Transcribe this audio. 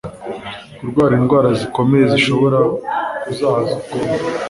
Kurwara indwara zikomeye zishobora kuzahaza ubwonko,